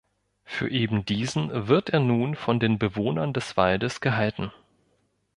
Für eben diesen wird er nun von den Bewohnern des Waldes gehalten.